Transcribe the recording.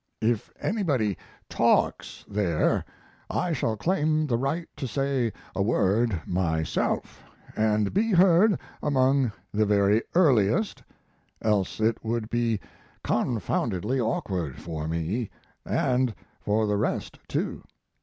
If anybody talks there I shall claim the right to say a word myself, and be heard among the very earliest, else it would be confoundedly awkward for me and for the rest, too.